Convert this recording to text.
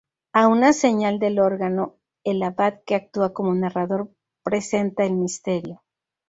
A una señal del órgano, el Abad, que actúa como narrador, presenta el "misterio".